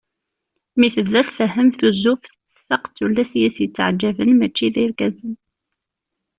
Mi tebda tfehhem tuzzuft, tfaq d tullas i as-yetteεjaben mačči d irgazen.